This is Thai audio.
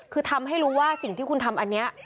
คือทำให้รู้ว่าสิ่งที่คุณทำอันนี้